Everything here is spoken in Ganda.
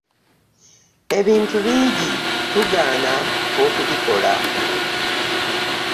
Ebintu bingi tugaana okubikola .